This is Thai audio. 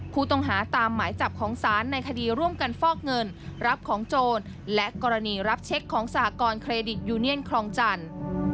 ผู้ต้องหาตามหมายจับของศาลในคดีร่วมกันฟอกเงินรับของโจรและกรณีรับเช็คของสหกรณเครดิตยูเนียนคลองจันทร์